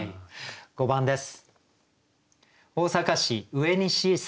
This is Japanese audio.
５番です。